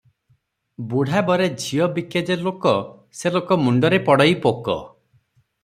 "ବୁଢା ବରେ ଝିଅ ବିକେ ଯେ ଲୋକ, ସେ ଲୋକ ମୁଣ୍ଡରେ ପଡ଼ଇ ପୋକ ।"